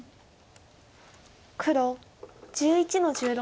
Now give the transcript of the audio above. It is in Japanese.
黒１１の十六。